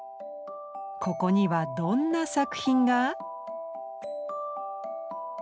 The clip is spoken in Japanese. ここにはどんな作品が？